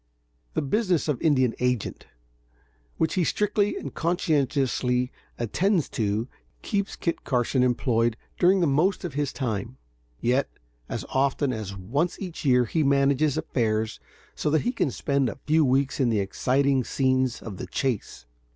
. The business of Indian agent, which he strictly and conscientiously attends to, keeps Kit Carson employed during the most of his time; yet, as often as once each year, he manages affairs so that he can spend a few weeks in the exciting scenes of the chase.